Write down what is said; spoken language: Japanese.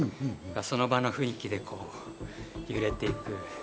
その場の雰囲気でこう揺れていく。